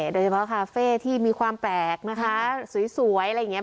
โดยเฉพาะคาเฟ่ที่มีความแปลกนะคะสวยอะไรอย่างนี้